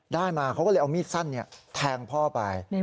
ได้มาเขาก็เลยเอามีดสั้นแทงพ่อไป